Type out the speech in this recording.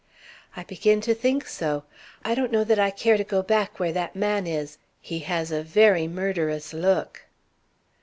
"I begin to think so. I don't know that I care to go back where that man is. He has a very murderous look."